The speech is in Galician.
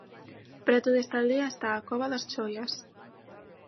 Preto desta aldea está a Cova das Choias.